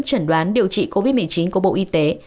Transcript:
chẩn đoán điều trị covid một mươi chín của bộ y tế